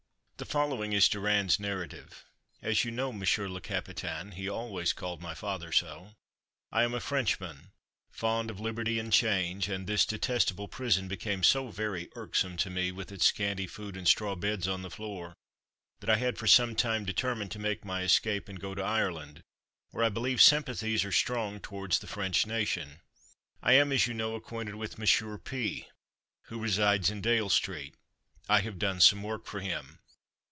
The following is Durand's narrative: "As you know, Monsieur Le Capitaine (he always called my father so), I am a Frenchman, fond of liberty and change, and this detestable prison became so very irksome to me, with its scanty food and straw beds on the floor, that I had for some time determined to make my escape and go to Ireland, where I believe sympathies are strong towards the French nation. I am, as you know, acquainted with Monsieur P , who resides in Dale street; I have done some work for him.